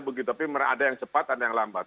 begitu tapi ada yang cepat ada yang lambat